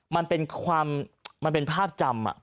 มันเป็นความมันเป็นภาพจำ